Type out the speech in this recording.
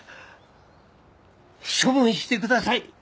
処分してください。